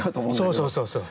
そうそうそうそう。